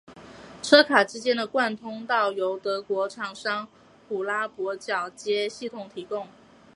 车卡之间的贯通道由德国厂商虎伯拉铰接系统提供。